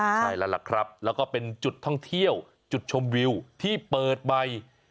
ใช่แล้วล่ะครับแล้วก็เป็นจุดท่องเที่ยวจุดชมวิวที่เปิดใหม่